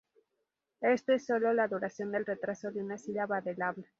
Esto es solo la duración del retraso de una sílaba del habla.